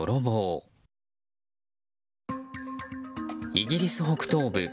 イギリス北東部。